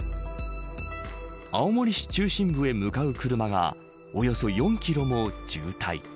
青森市中心部へ向かう車がおよそ４キロも渋滞。